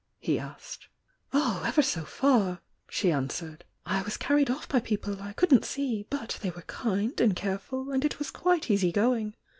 he asked. "Oh, ever so far!" she answered. "I was carried off by people I couldn't see — but they were kind and careful, and it was quite easy going.